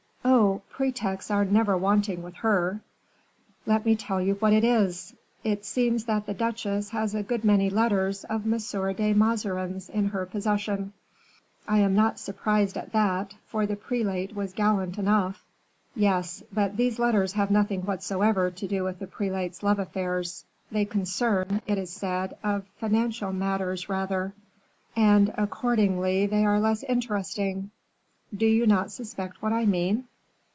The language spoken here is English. "Oh! pretexts are never wanting with her. Let me tell you what it is: it seems that the duchesse has a good many letters of M. de Mazarin's in her possession." "I am not surprised at that, for the prelate was gallant enough." "Yes, but these letters have nothing whatever to do with the prelate's love affairs. They concern, it is said, financial matters rather." "And accordingly they are less interesting." "Do you not suspect what I mean?"